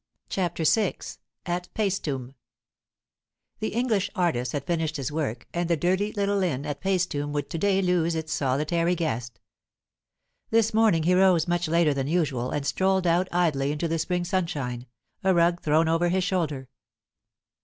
CHAPTER VI AT PAESTUM The English artist had finished his work, and the dirty little inn at Paestum would to day lose its solitary guest. This morning he rose much later than usual, and strolled out idly into the spring sunshine, a rug thrown over his shoulder.